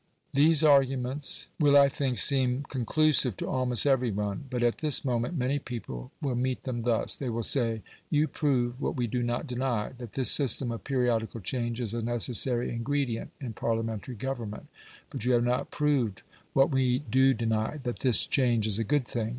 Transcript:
These arguments will, I think, seem conclusive to almost every one; but, at this moment, many people will meet them thus: they will say, "You prove what we do not deny, that this system of periodical change is a necessary ingredient in Parliamentary government, but you have not proved what we do deny, that this change is a good thing.